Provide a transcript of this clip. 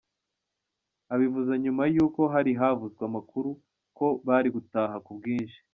Abivuze nyuma y’uko hari havuzwe amakuru ko bari gutaha ku bwinshi.